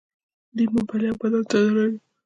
دوی ممپلی او بادام صادروي.